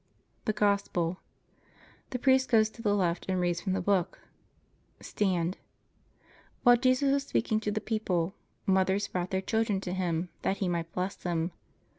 THE GOSPEL The priest goes to the left and reads from the book. Stand While Jesus was speaking to the people, mothers brought their children to Him, that He might bless them.